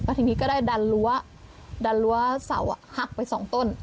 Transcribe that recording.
และทีนี้ก็ได้ดันรั้วเสาหักไปสองต้น